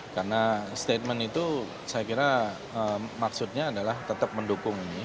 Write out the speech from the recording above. karena statement itu saya kira maksudnya adalah tetap mendukung ini